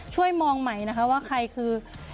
ช่วยมองใหม่นะคะว่าใครคือ